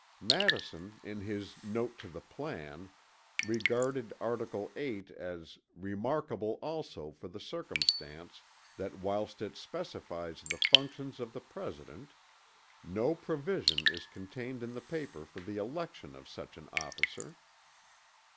Madison in his "Note to the Plan" regarded article VIII as "remarkable also for the circumstance that whilst it specifies the functions of the President, no provision is contained in the paper for the election of such an officer."